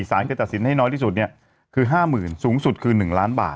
สารจะตัดสินให้น้อยที่สุดคือ๕๐๐๐สูงสุดคือ๑ล้านบาท